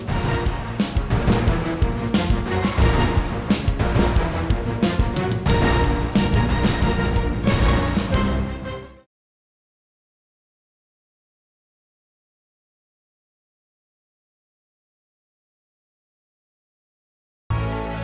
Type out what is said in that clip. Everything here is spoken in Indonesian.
p partnership ya